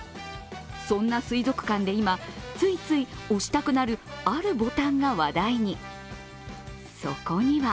そんな水族館で今、ついつい押したくなるあるボタンが話題に。